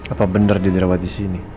apa benar diderawat disini